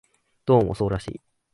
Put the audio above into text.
どうもそうらしい